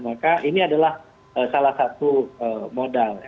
maka ini adalah salah satu modal